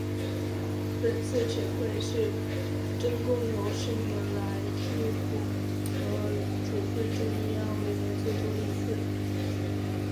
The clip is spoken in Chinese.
本次全会是中共有史以来递补和处分中央委员最多的一次。